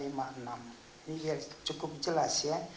ini cukup jelas ya